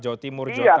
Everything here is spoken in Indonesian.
jawa timur jawa tengah